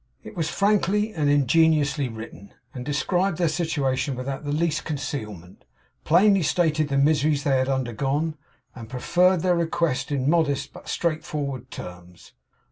It was frankly and ingenuously written, and described their situation without the least concealment; plainly stated the miseries they had undergone; and preferred their request in modest but straightforward terms.